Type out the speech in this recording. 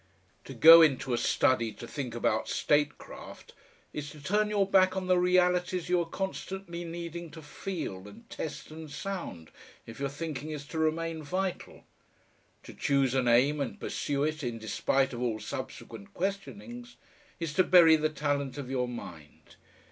To go into a study to think about statecraft is to turn your back on the realities you are constantly needing to feel and test and sound if your thinking is to remain vital; to choose an aim and pursue it in despite of all subsequent questionings is to bury the talent of your mind.